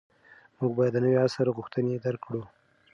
موږ باید د نوي عصر غوښتنې درک کړو.